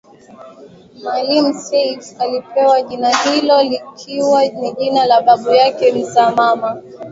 Maalim Seif alipewa jina hilo likiwa ni jina la babu yake mzaa mama